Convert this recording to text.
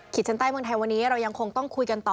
ชั้นใต้เมืองไทยวันนี้เรายังคงต้องคุยกันต่อ